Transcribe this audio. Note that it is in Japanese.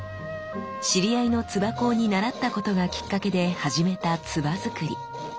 知り合いの鐔工に習ったことがきっかけで始めた鐔づくり。